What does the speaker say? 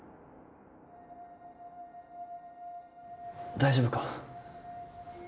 大丈夫か？